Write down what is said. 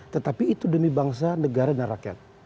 tetapi itu demi bangsa negara dan rakyat